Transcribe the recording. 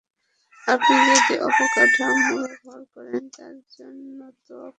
আপনি যদি অবকাঠামো ব্যবহার করেন, তার জন্য তো আপনাকে পয়সা দিতে হবে।